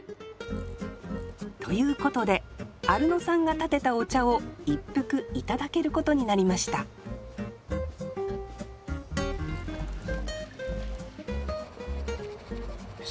ということでアルノさんが点てたお茶を一服いただけることになりましたふふふふふ。